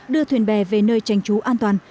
đưa thuyền bè về nơi tránh trú an toàn